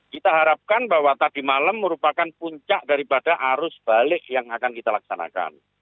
kita harapkan bahwa tadi malam merupakan puncak daripada arus balik yang akan kita laksanakan